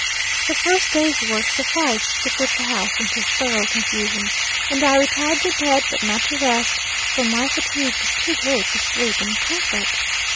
The first day's work sufficed to put the house into thorough confusion, and I retired to bed but not to rest, for my fatigue was too great to sleep in comfort.